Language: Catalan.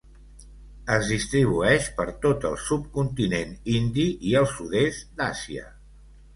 Es distribueix per tot el subcontinent indi i el sud-est d'Àsia.